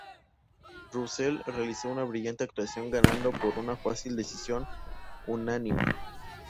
Russell realizó una brillante actuación ganando por una fácil decisión unánime.